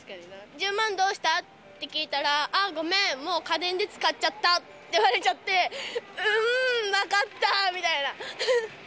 １０万どうした？って聞いたら、あ、ごめん、もう家電で使っちゃったって言われちゃって、うーん、分かったみ